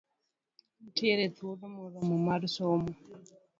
Nitiere thuolo moromo mar somo.